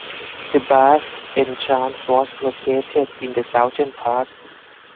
The baths entrance was located in the southern part.